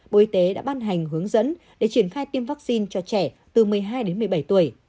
bộ y tế đã ban hành hướng dẫn để triển khai tiêm vaccine cho trẻ từ một mươi hai đến một mươi bảy tuổi